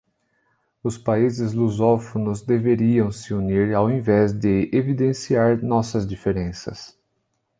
Os países lusófonos deveriam se unir ao invés de evidenciar nossas diferenças